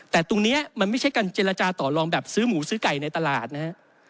แต่ตรงนี้มันไม่ใช่การเจรจาต่อลองแบบซื้อหมูซื้อไก่ในตลาดนะฮะ